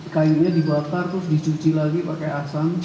kayunya dibakar terus dicuci lagi pakai asam